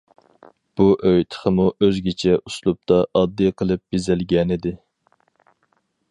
بۇ ئۆي تېخىمۇ ئۆزگىچە ئۇسلۇبتا ئاددىي قىلىپ بېزەلگەنىدى.